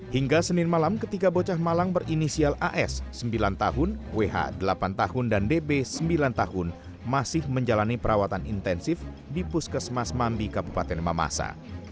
hingga senin malam ketika bocah malang berinisial as sembilan tahun wh delapan tahun dan db sembilan tahun masih menjalani perawatan intensif di puskesmas mambi kabupaten mamasa